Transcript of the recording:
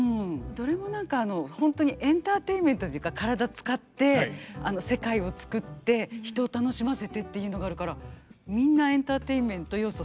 どれも何かホントにエンターテインメントというか体使ってあの世界を作って人を楽しませてっていうのがあるからみんなエンターテインメント要素